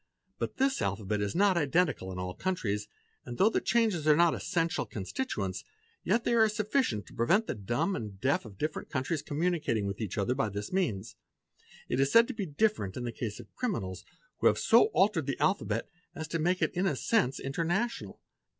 But this alphabet is not identical in all countries and though the changes are not in essential constituents, yet they are sufficient to prevent the deaf and dumb of different countries communicating with each other by this means. It is said to be different in the case of criminals, who have so altered 7 the alphabet as to make it in a sense international.